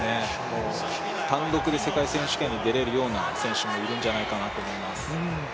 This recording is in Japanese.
単独で世界選手権に出れるような選手もいるんじゃないかなと思います。